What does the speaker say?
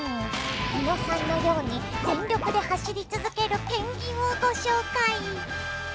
猪野さんのように全力で走り続けるペンギンをご紹介。